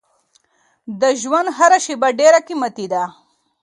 د ژوند هره شېبه ډېره قیمتي ده.